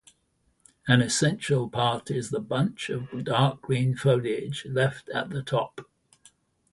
An essential part is the bunch of dark green foliage left at the top.